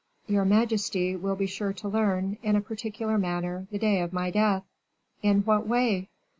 "Your majesty will be sure to learn, in a particular manner, the day of my death." "In what way?"